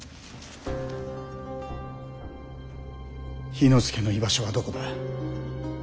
氷ノ介の居場所はどこだ？